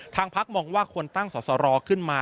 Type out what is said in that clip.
พักมองว่าควรตั้งสอสรขึ้นมา